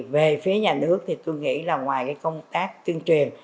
về phía nhà nước thì tôi nghĩ là ngoài cái công tác tuyên truyền